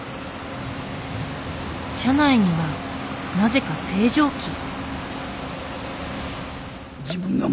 車内にはなぜか星条旗。